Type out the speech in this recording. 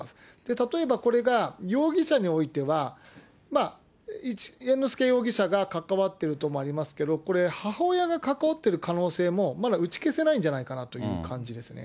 例えばこれが容疑者においては、猿之助容疑者が関わってるところもありますけど、これ、母親が関わってる可能性も、まだ打ち消せないんじゃないかなという感じですね。